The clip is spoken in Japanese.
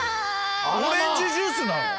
オレンジジュースなの！？